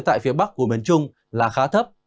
tại phía bắc của miền trung là khá thấp